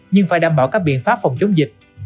nhưng phải đảm bảo các biện pháp phòng chống dịch